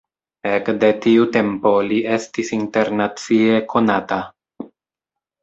Ekde tiu tempo, li estis internacie konata.